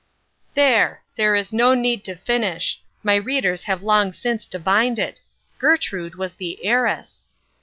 There! There is no need to finish; my readers have long since divined it. Gertrude was the heiress.